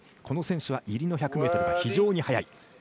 この選手は入りの１００ｍが非常に速い。